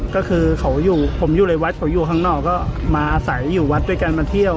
ก็คือเขาอยู่ผมอยู่ในวัดเขาอยู่ข้างนอกก็มาอาศัยอยู่วัดด้วยกันมาเที่ยว